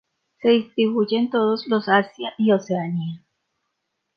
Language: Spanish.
Se distribuyen todos los Asia y Oceanía.